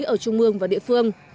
ở trung mương và địa phương